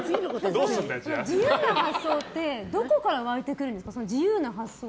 自由な発想ってどこから湧いてくるんですか？